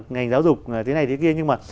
ngành giáo dục thế này thế kia nhưng mà